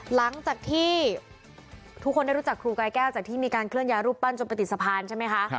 หลังจากที่ทุกคนได้รู้จักครูกายแก้วจากที่มีการเคลื่อนย้ายรูปปั้นจนไปติดสะพานใช่ไหมคะ